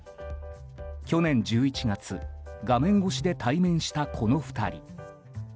去年１１月画面越しで対面した、この２人。